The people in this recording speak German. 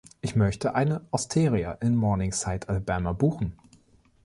Ich möchte eine Osteria in Morningside, Alabama buchen.